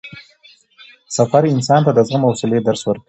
سفر انسان ته د زغم او حوصلې درس ورکوي